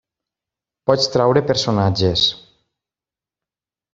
Pots treure personatges.